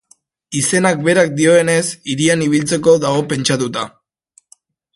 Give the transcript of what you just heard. Izenak berak dioenez, hirian ibiltzeko dago pentsatuta.